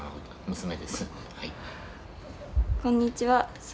娘です。